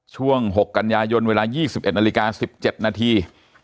ช่วง๖กันยายนเวลา๒๑นาฬิกา๑๗นาที